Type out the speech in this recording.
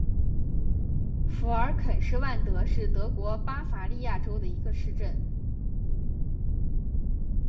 福尔肯施万德是德国巴伐利亚州的一个市镇。